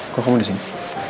kok kamu di sini